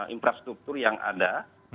infrastruktur yang ada